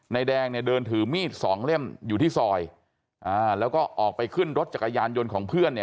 แดงเนี่ยเดินถือมีดสองเล่มอยู่ที่ซอยอ่าแล้วก็ออกไปขึ้นรถจักรยานยนต์ของเพื่อนเนี่ย